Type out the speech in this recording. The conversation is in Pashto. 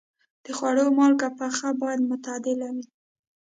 د خوړو مالګه پخه باید معتدله وي.